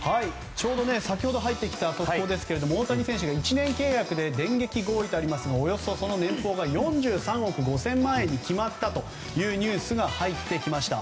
ちょうど先ほど入ってきた速報ですが大谷選手が１年契約で電撃合意とありますがおよそその年俸が４３億５０００万円に決まったというニュースが入ってきました。